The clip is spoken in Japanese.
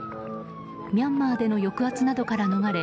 ミャンマーでの抑圧などから逃れ